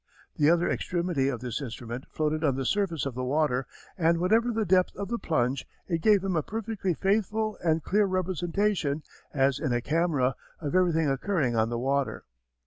The other extremity of this instrument floated on the surface of the water, and whatever the depth of the plunge it gave him a perfectly faithful and clear representation, as in a camera, of everything occurring on the water.